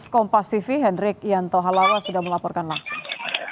kompasivi hendrik yanto halawa sudah melaporkan langsung